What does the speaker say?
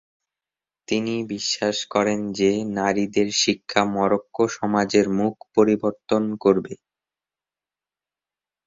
তিনি বিশ্বাস করেন যে নারীদের শিক্ষা মরোক্কো সমাজের মুখ পরিবর্তন করবে।